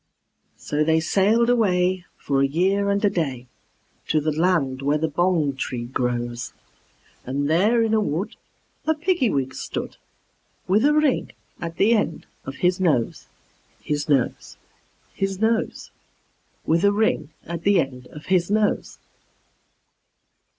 They sailed away for a year and a day, To the land where the bong tree grows; And there in the wood a Piggy wig stood, With a ring at the end of his nose, His nose, His nose, With a ring at the end of his nose.